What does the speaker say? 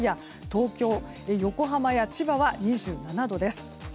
東京、横浜や千葉は２７度です。